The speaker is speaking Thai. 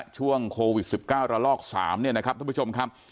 ช่วงโควิด๑๙ระลอก๓เนี่ยนะครับทุกผู้ชมครับ